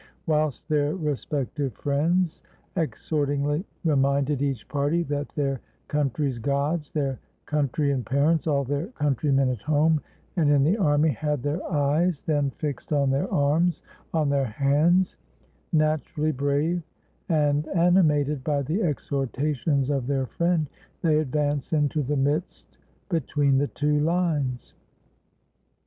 Whilst their respective friends exhortingly reminded each party that their country's gods, their country and parents, all their countrymen at home and in the army, had their eyes then fijced on their arms, on their hands; naturally brave, and animated by the exhortations of their friend, they advance into the midst between the two fines.